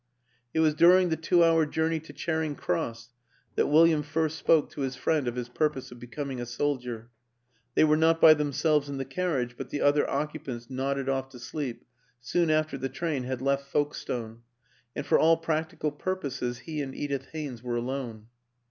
It was during the two hour journey to Charing Cross that William first spoke to his friend of his purpose of becoming a soldier; they were not by themselves in the carriage, but the other occupants nodded off to sleep soon after the train had left Folke stone, and for all practical purposes he and Edith Haynes were alone.